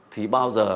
thì bao giờ